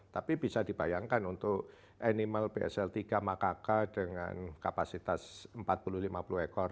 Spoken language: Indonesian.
tapi bisa dibayangkan untuk animal bsl tiga makaka dengan kapasitas empat puluh lima puluh ekor